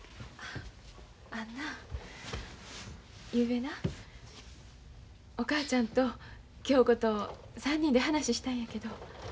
あんなゆうべなお母ちゃんと恭子と３人で話したんやけど。